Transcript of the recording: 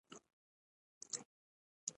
علم د اخلاقي پیاوړتیا لامل ګرځي.